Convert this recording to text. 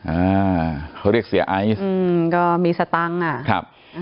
อ่าเขาเรียกเสียไอซ์อืมก็มีสตังค์อ่ะครับ